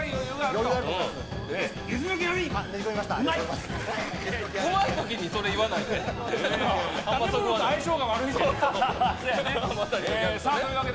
うまいときにそれ言わないで。